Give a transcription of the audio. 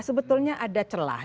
sebetulnya ada celah